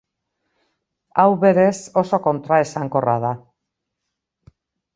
Hau, berez, oso kontraesankorra da.